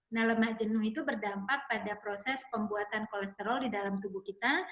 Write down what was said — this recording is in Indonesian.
nah lemak jenuh itu berdampak pada proses pembuatan kolesterol di dalam tubuh kita